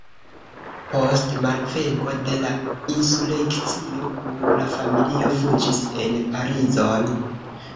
Post malvenko de la insurekcio kun la familio fuĝis en Parizon.